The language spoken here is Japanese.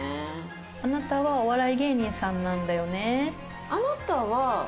あなたはお笑い芸人さんなんだね？